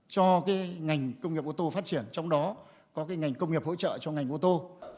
cho cái ngành công nghiệp ô tô phát triển trong đó có cái ngành công nghiệp hỗ trợ cho ngành ô tô